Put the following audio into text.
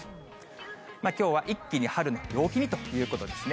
きょうは一気に春の陽気にということですね。